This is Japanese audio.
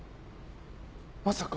まさか。